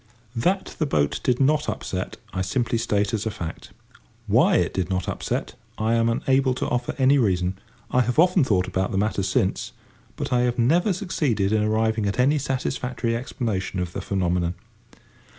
That the boat did not upset I simply state as a fact. Why it did not upset I am unable to offer any reason. I have often thought about the matter since, but I have never succeeded in arriving at any satisfactory explanation of the phenomenon.